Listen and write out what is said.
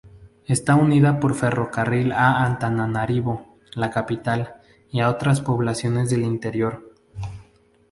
Está unida por ferrocarril a Antananarivo, la capital, y a otras poblaciones del interior.